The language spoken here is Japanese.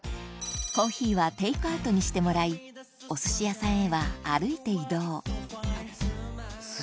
コーヒーはテイクアウトにしてもらいお寿司屋さんへは歩いて移動今日。